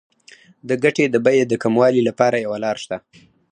د ګټې د بیې د کموالي لپاره یوه لار شته